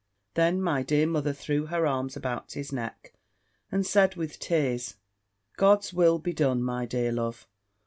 Then my dear mother threw her arms about his neck, and said, with tears, "God's will be done, my dear love!